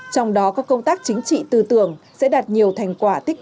trong đó các công tác chính trị tư tưởng